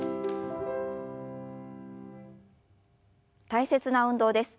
大切な運動です。